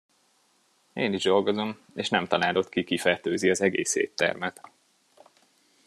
Én is dolgozom, és nem találod ki, ki fertőzi az egész éttermet.